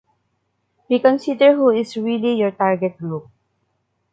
Reconsider who really is your target group.